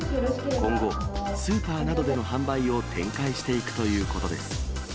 今後、スーパーなどでの販売を展開していくということです。